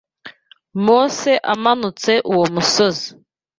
Mose amanutse uwo musozi